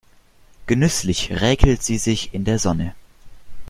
Genüsslich räkelt sie sich in der Sonne.